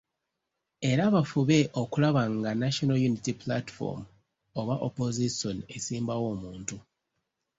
Era bafube okulaba nga National Unity Platform oba Opozisoni esimbawo omuntu.